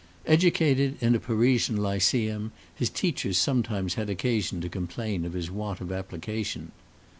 Educated in a Parisian lyceum, his teachers sometimes had occasion to complain of his want of application.